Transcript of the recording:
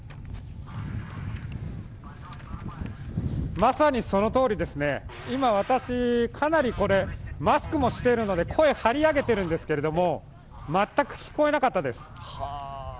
まさにそのとおりで、今私、かなりマスクもしているので声、張り上げているんですが全く聞こえなかったです。